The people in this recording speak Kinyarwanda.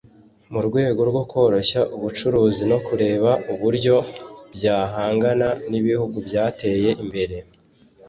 mu rwego rwo koroshya ubucuruzi no kureba uburyo byahangana n’ibihugu byateye imbere